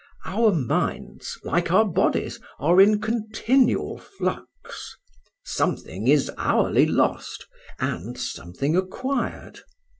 Our minds, like our bodies, are in continual flux; something is hourly lost, and something acquired.